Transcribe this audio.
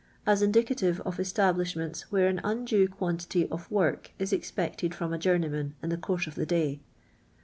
as indicative of e>iabliahment.H where an undue cjuantity (»f work is expected from a journeyman in the course of the day.